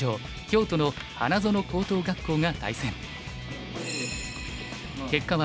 京都の花園高等学校が対戦。